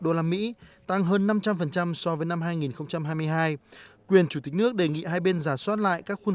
đô la mỹ tăng hơn năm trăm linh so với năm hai nghìn hai mươi hai quyền chủ tịch nước đề nghị hai bên giả soát lại các khuôn